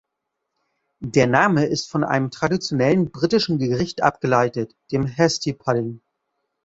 Der Name ist von einem traditionellen britischen Gericht abgeleitet, dem "Hasty Pudding".